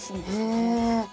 へえ